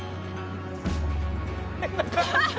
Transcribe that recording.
「ハハハハ！」